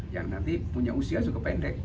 yang nanti punya usia cukup pendek